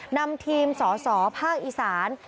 นำทีมสสภาคอีสาน